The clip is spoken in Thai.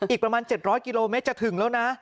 อีกประมาณ๗๐๐กิโลเมตรจะถึงแล้วนะ